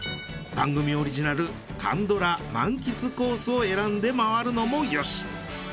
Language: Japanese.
番組オリジナル韓ドラ満喫コースを選んで回るのもよし。